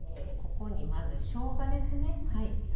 ここに、まず、しょうがですね。